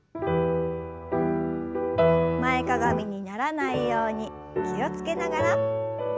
前かがみにならないように気を付けながら。